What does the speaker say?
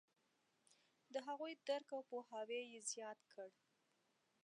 د هغوی درک او پوهاوی یې زیات کړ.